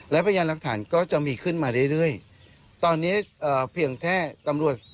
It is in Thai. และพยานหลักฐานก็จะมีขึ้นมาเรื่อยเรื่อยตอนนี้เอ่อเพียงแค่ตำรวจ